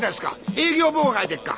営業妨害でっか。